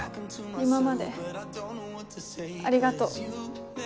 今までありがとう。